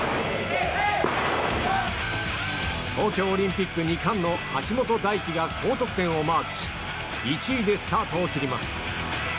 東京オリンピック２冠の橋本大輝が高得点をマークし１位でスタートを切ります。